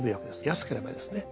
安ければですね。